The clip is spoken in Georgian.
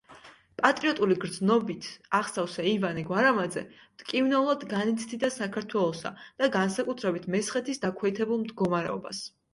პატრიოტული გრძნობით აღსავსე ივანე გვარამაძე მტკივნეულად განიცდიდა საქართველოსა და, განსაკუთრებით, მესხეთის დაქვეითებულ მდგომარეობას.